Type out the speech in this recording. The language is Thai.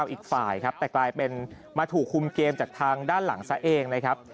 อีกฝ่ายครับแต่กลายเป็นมาถูกคุมเกมจากทางด้านหลังซะเองนะครับ